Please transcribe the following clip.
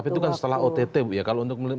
tapi itu kan setelah ott bu ya